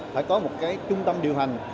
phải có một trung tâm điều hành